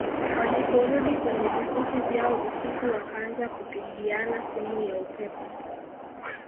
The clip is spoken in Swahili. Waliporudi kwenye vikosi vyao usiku wakaanza kupigiana simu ya upepo